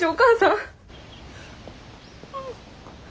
うん。